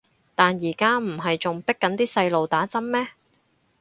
但而家唔係仲迫緊啲細路打針咩